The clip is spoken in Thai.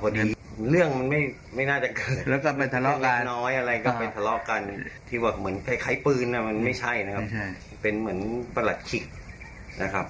เป็นเหมือนประหลัดขิกนะครับ